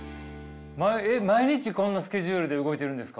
毎日こんなスケジュールで動いてるんですか？